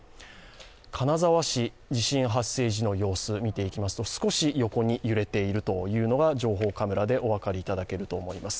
金沢市、地震発生時の様子を見ていきますと、少し横に揺れているのが情報カメラでお分かりいただけると思います。